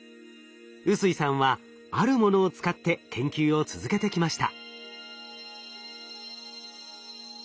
臼井さんはあるものを使って研究を続けてきました。